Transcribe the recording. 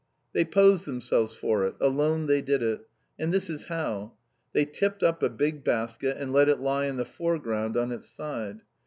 They posed themselves for it; alone they did it. And this is how. They tipped up a big basket, and let it lie in the foreground on its side.